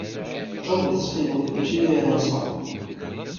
Ɣiwlet ttxil-wat, mačči da ara nseɣ!